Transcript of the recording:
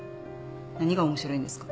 何が面白いんですか？